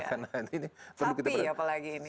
sapi ya apalagi ini